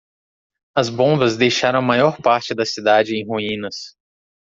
As bombas deixaram a maior parte da cidade em ruínas.